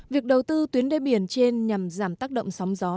việc đầu tư tuyến đê biển trên nhằm giảm tác động sóng gió